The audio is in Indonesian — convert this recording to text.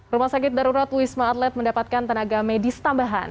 rumah sakit darurat wisma atlet mendapatkan tenaga medis tambahan